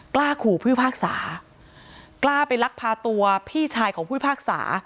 กล้าขู่ผู้พุทธภาคสากล้าไปลักพาตัวพี่ชายของผู้พุทธภาคสา